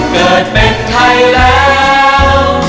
เกิดเป็นไทยแล้ว